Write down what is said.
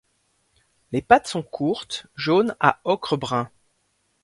Les pattes sont courtes, jaunes à ocre-brun.